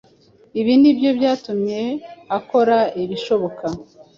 Ibi ni byo byatumye akora ibishoboka